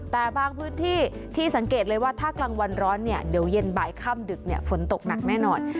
แต่บางพื้นที่ที่สังเกตเลยว่าถ้ากลางวันร้อนเนี่ยเดี๋ยวเย็นบ่ายค่ำดึกฝนตกหนักแน่นอน